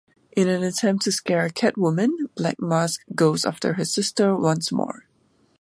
In an attempt to scare Catwoman, Black Mask goes after her sister once more.